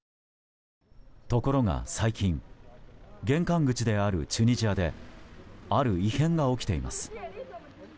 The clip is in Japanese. ところが、最近玄関口であるチュニジアである異変が起きています。